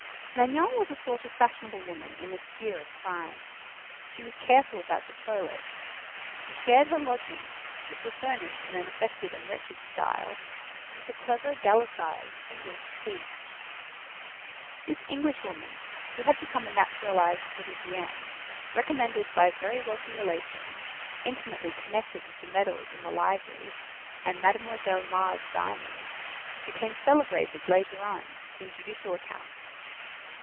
Magnon was a sort of fashionable woman in the sphere of crime. She was careful about her toilet. She shared her lodgings, which were furnished in an affected and wretched style, with a clever gallicized English thief. This English woman, who had become a naturalized Parisienne, recommended by very wealthy relations, intimately connected with the medals in the Library and Mademoiselle Mar's diamonds, became celebrated later on in judicial accounts.